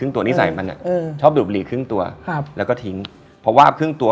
ถ้าจุดไปก็เฉย